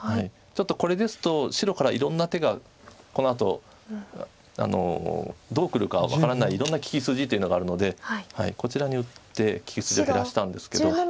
ちょっとこれですと白からいろんな手がこのあとどうくるか分からないいろんな利き筋というのがあるのでこちらに打って利き筋を減らしたんですけど。